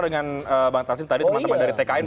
dengan bang taslim tadi teman teman dari tkn